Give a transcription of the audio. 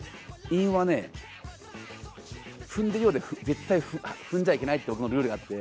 韻は踏んでるようで絶対踏んじゃいけないって俺のルールがあって。